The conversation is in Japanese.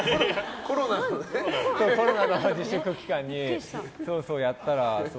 コロナの自粛期間にやったら。